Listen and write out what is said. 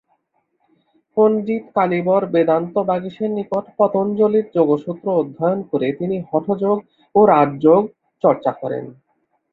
পন্ডিত কালীবর বেদান্তবাগীশের নিকট পতঞ্জলির যোগসূত্র অধ্যয়ন করে তিনি হঠযোগ ও রাজযোগ চর্চা করেন।